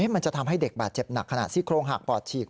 มันจะทำให้เด็กมาเจ็บหนักขณะซิโคโลหักปอดฉีก